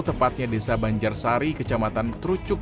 tepatnya desa banjarsari kecamatan terucuk